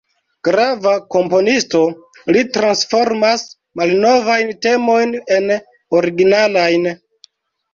Grava komponisto, li transformas malnovajn temojn en originalajn.